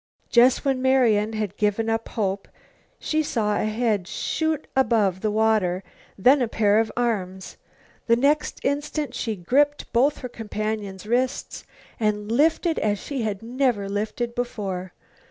Just when Marian had given up hope, she saw a head shoot above the water, then a pair of arms. The next instant she gripped both her companion's wrists and lifted as she never lifted before.